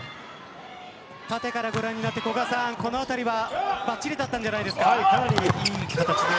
縦からご覧になって古賀さんこの辺りはばっちりだったんじゃないですか。